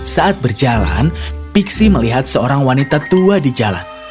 saat berjalan piksi melihat seorang wanita tua di jalan